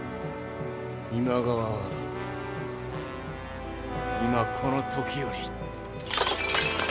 今川は今この時より。